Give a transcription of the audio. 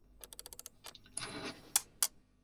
kwa sasa tuko na milioni karibu kumi